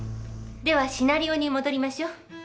ではシナリオに戻りましょう。